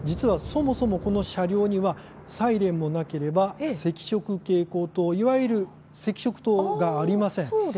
そもそもこの車両にはサイレンもなければ赤色警光灯いわゆる赤色灯がありません。